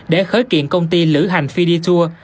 để khởi kiện công ty lữ hành fiditur